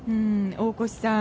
大越さん